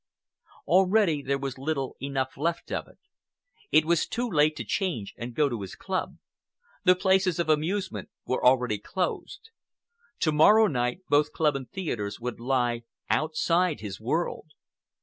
Already there was little enough left of it. It was too late to change and go to his club. The places of amusement were already closed. To morrow night, both club and theatres would lie outside his world.